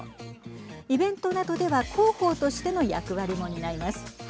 イベントなどでは広報としての役割も担います。